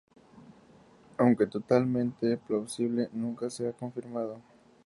Aunque totalmente plausible, nunca se ha confirmado.